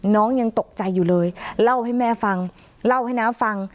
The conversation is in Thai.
ยังตกใจอยู่เลยเล่าให้แม่ฟังเล่าให้น้าฟัง